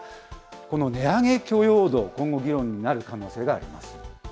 この値上げ許容度、今後議論になる可能性があります。